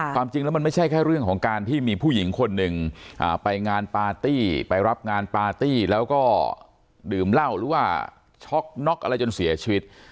ความจริงแล้วมันไม่ใช่แค่เรื่องของการที่มีผู้หญิงคนหนึ่งไปงานปาร์ตี้ไปรับงานปาร์ตี้แล้วก็ดื่มเหล้าหรือว่าช็อกน็อกอะไรจนเสียชีวิต